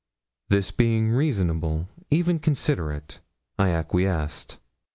This being reasonable, and even considerate, I acquiesced.